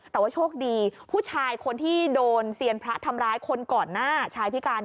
แต่ว่าโชคดีผู้ชายคนที่โดนเซียนพระทำร้ายคนก่อนหน้าชายพิการ